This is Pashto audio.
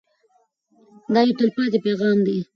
دا یو تلپاتې پیغام دی.